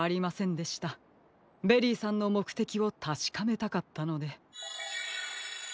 ベリーさんのもくてきをたしかめたかったので。